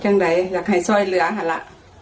จังใดอยากให้ซ่อยเหลือเท่านั้นแหละ